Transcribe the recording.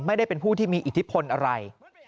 ไม่ได้เป็นผู้ที่มีอิทธิพลอะไร